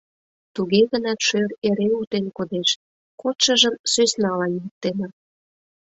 Туге гынат шӧр эре утен кодеш, кодшыжым сӧсналан йӱктена.